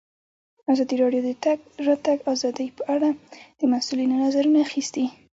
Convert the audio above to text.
ازادي راډیو د د تګ راتګ ازادي په اړه د مسؤلینو نظرونه اخیستي.